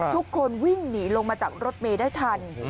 ทุกคนวิ่งหนีลงมาจากรถเมย์ได้ทัน